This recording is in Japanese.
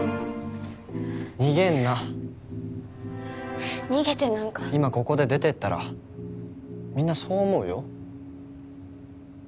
逃げんな逃げてなんか今ここで出てったらみんなそう思うよ